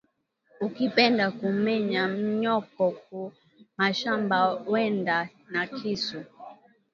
Ukipenda ku menya myoko ku mashamba wende na kisu